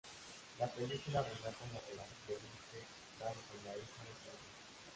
La película relata la relación de un ex-etarra con la hija de su víctima.